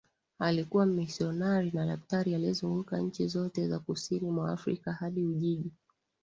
Alikuwa mmisionari na daktari aliyezunguka nchi zote za Kusini mwa Afrika hadi Ujiji